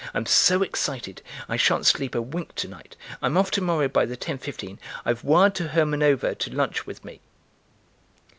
I'm so excited, I shan't sleep a wink to night. I'm off to morrow by the ten fifteen. I've wired to Hermanova to lunch with me."